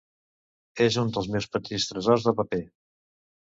És un dels meus petits tresors de paper.